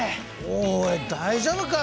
おい大丈夫か？